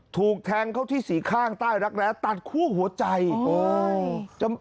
ถูกแทงเขาที่สีข้างใต้รักแร้ตัดคู่หัวใจอ๋อเฮ้ย